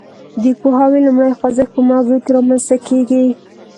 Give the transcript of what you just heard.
د پوهاوي لومړی خوځښت په مغزو کې رامنځته کیږي